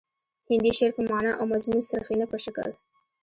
هندي شعر په معنا او مضمون څرخي نه په شکل